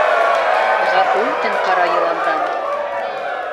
Ғәфү үтен ҡара йыландан.